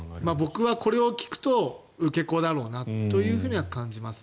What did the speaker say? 僕はこれを聞くと受け子だろうなとは感じます。